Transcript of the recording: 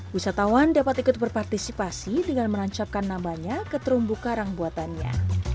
wisatawan dapat ikut berpartisipasi dengan menancapkan nambahnya ke terumbu karang buatannya